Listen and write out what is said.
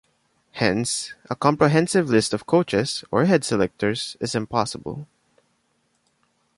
Hence a comprehensive list of coaches, or head selectors, is impossible.